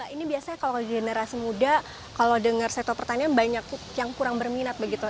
ini biasanya kalau generasi muda kalau dengar sektor pertanian banyak yang kurang berminat begitu